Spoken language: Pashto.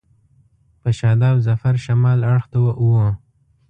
په شاداب ظفر شمال اړخ ته و.